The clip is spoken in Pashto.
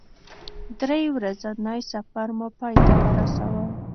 درې ورځنی سفر مو پای ته ورساوه.